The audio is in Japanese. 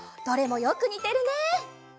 どれもよくにてるね！